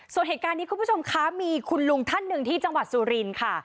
ส่วนเหตุการณ์นี้คุณผู้ชมคะมีคุณลุงท่านหนึ่งที่จังหวัดสุรินทร์ค่ะ